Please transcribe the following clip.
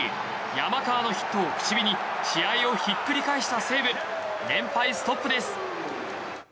山川のヒットを口火に試合をひっくり返した西武連敗ストップです。